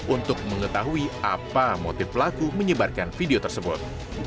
untuk mengetahui apa motif pelaku menyebarkan video tersebut